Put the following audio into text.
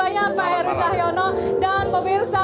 terima kasih banyak pak erick sahyono dan pemirsa